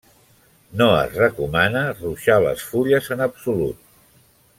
No es recomana ruixar les fulles en absolut.